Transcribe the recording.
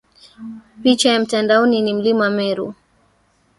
Picha ya Mtandaoni ni Mlima Meru